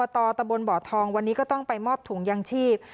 ตะบนบ่อทองวันนี้ก็ต้องไปมอบถุงยางชีพ